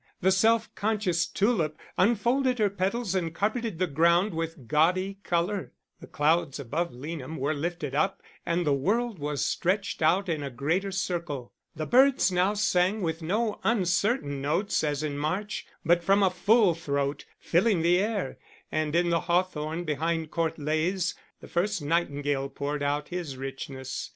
The self conscious tulip unfolded her petals and carpeted the ground with gaudy colour. The clouds above Leanham were lifted up and the world was stretched out in a greater circle. The birds now sang with no uncertain notes as in March, but from a full throat, filling the air; and in the hawthorn behind Court Leys the first nightingale poured out his richness.